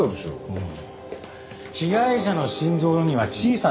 うん。